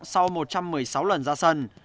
sau một trăm một mươi sáu lần ra sân